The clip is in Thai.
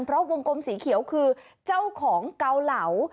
เพราะวงกลมสีเขียวคือเจ้าของเกาเหลา